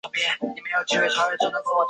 范晖向威胜节度使董昌求援。